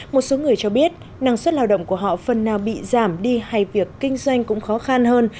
một số người cho biết năng suất lao động của họ phần nào bị giảm đi hay việc kinh doanh cũng khó khăn hơn